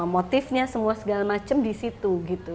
motifnya semua segala macam di situ gitu